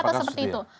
rata rata seperti itu